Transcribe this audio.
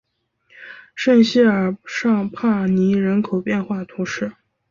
圣谢尔尚帕尼人口变化图示